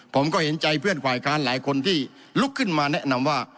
ผมก็เห็นใจเพื่อนฝ่ายค้านหลายคนที่ลุกขึ้นมาแนะนำว่า